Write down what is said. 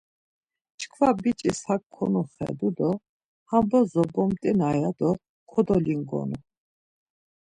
Çkva biç̌is hak konoxedu do Ham bozo bomt̆ina ya do kodolingonu.